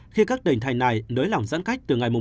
khi các tỉnh thành này nới lỏng giãn cách từ ngày một một mươi